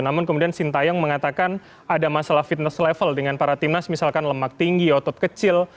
namun kemudian sintayong mengatakan ada masalah fitness level dengan para timnas misalkan lemak tinggi otot kecil